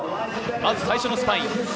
まず最初のスパイン。